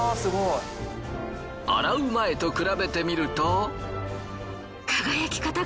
洗う前と比べてみると。